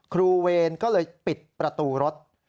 เวรก็เลยปิดประตูรถ